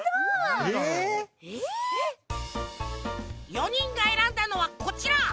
４にんがえらんだのはこちら。